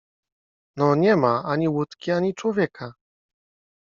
No nie ma: ani łódki, ani człowieka.